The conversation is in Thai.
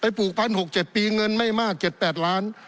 ไปปลูกพันหกเจ็ดปีเงินไม่มากเจ็ดแปดล้าน